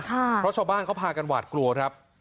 เพราะชาวบ้านเขาพากันหวาดกลัวครับ